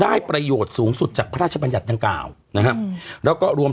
อืมอืมอืมอืมอืม